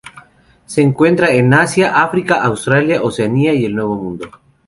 Se encuentran en Asia, África, Australia, Oceanía y el nuevo mundo.